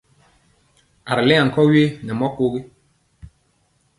A ri lɛŋ ankɔwe nɛ mɔ kogi.